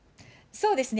そうですね。